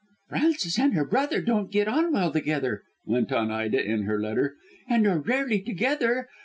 "Frances and her brother don't get on well together," went on Ida in her letter, "and are rarely together.